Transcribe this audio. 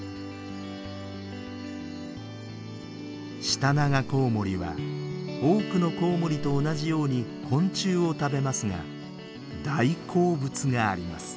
シタナガコウモリは多くのコウモリと同じように昆虫を食べますが大好物があります。